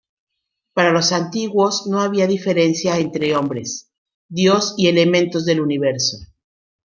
Para los antiguos no había diferencia entre hombre, dios y elementos del Universo.